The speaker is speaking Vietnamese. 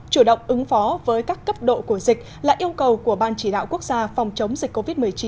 chủ động ứng phó với các cấp độ của dịch là yêu cầu của ban chỉ đạo quốc gia phòng chống dịch covid một mươi chín